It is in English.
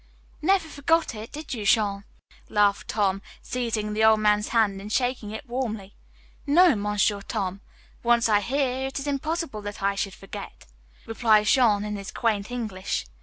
"Never forgot it, did you, Jean?" laughed Tom, seizing the old man's hand and shaking it warmly. "No, Monsieur Tom; once I hear, it is impossible that I should forget," replied Jean in his quaint English.